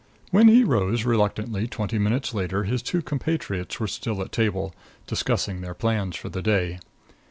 When he rose reluctantly twenty minutes later his two compatriots were still at table, discussing their plans for the day.